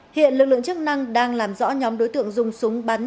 hiện lực lượng chức năng đang làm rõ nhóm đối tượng dùng súng bắn